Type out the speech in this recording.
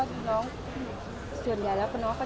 สวัสดีคุณครับ